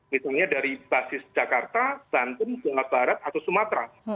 misalnya dari basis jakarta banten jawa barat atau sumatera